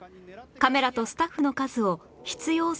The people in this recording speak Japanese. カメラとスタッフの数を必要